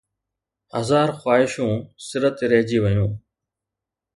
هزار خواهشون سر تي رهجي ويون